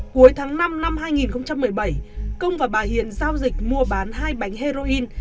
cuối tháng năm năm hai nghìn một mươi bảy công và bà hiền giao dịch mua bán hai bánh heroin